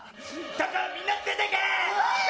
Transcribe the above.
だからみんな出ていけ！